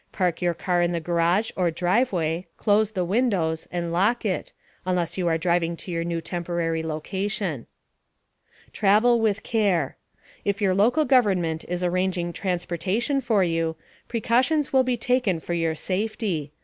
Park your car in the garage or driveway, close the windows, and lock it (unless you are driving to your new temporary location). * TRAVEL WITH CARE. If your local government is arranging transportation for you, precautions will be taken for your safety.